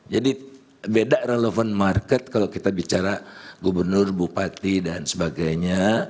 jadi beda relevan market kalau kita bicara gubernur bupati dan sebagainya